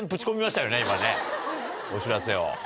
今ねお知らせを。